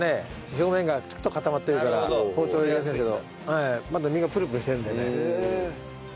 表面がピッと固まってるから包丁入れやすいけどまだ身がプルプルしてるんでね。